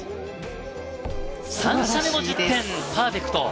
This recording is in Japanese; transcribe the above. ３射目も１０点、パーフェクト。